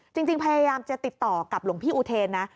จริงพยายามจะติดต่อกับหลวงพี่อุเทนนะ